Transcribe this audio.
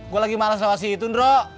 gua lagi males lewat situ nro